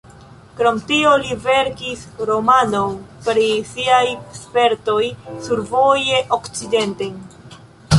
Krom tio, li verkis romanon pri siaj spertoj survoje okcidenten.